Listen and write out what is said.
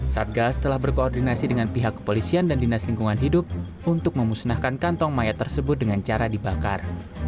satgas telah berkoordinasi dengan pihak kepolisian dan dinas lingkungan hidup untuk memusnahkan kantong mayat tersebut dengan cara dibakar